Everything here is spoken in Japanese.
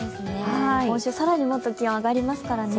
今週更にもっと気温が上がりますからね。